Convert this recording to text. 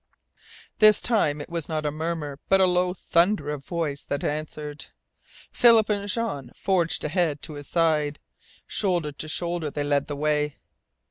This time it was not a murmur but a low thunder of voice that answered. Philip and Jean forged ahead to his side. Shoulder to shoulder they led the way.